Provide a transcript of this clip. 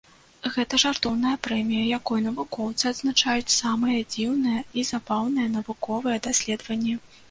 Гэта жартоўная прэмія, якой навукоўцы адзначаюць самыя дзіўныя і забаўныя навуковыя даследаванні.